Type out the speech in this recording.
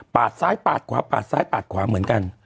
ซ้ายปาดขวาปาดซ้ายปาดขวาเหมือนกัน